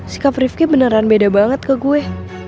sikap rifki beneran beda banget ke gue